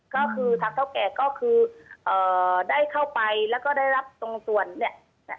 ก็คือทางเท่าแก่ก็คือเอ่อได้เข้าไปแล้วก็ได้รับตรงส่วนเนี่ย